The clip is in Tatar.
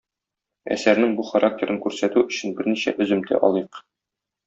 Әсәрнең бу характерын күрсәтү өчен берничә өземтә алыйк.